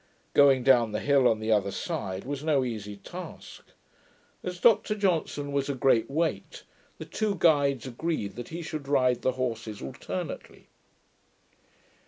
Going down the hill on the other side was no easy task. As Dr Johnson was a great weight, the two guides agreed that he should ride the horses alternately.